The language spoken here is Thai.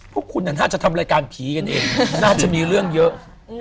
พวกคุณน่าจะทำรายการผีกันเองน่าจะมีเรื่องเยอะ